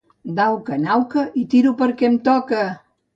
D'auca en auca i tiro perquè em toca!